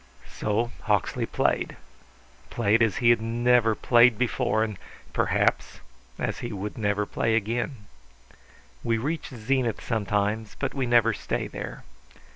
So Hawksley played played as he never had played before and perhaps as he would never play again. We reach zenith sometimes, but we never stay there.